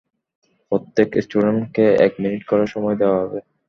প্রত্যেক স্টুডেন্ট কে এক মিনিট করে সময় দেওয়া হবে।